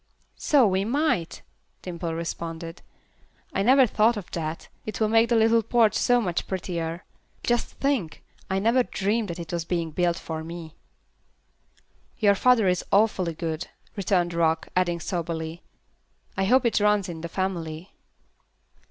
"So we might," Dimple responded, "I never thought of that. It will make the little porch so much prettier. Just think, I never dreamed that it was being built for me." "Your father is awfully good," returned Rock, adding soberly, "I hope it runs in the family."